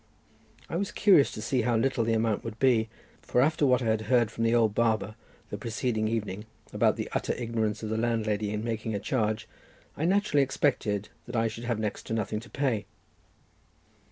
I was curious to see how little the amount would be, for after what I had heard from the old barber the preceding evening about the utter ignorance of the landlady in making a charge, I naturally expected that I should have next to nothing to pay.